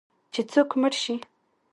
چې څوک مړ شي